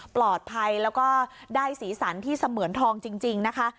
ปลอดภัยแล้วก็ได้สีสันที่เสมือนทองจริงนะคะ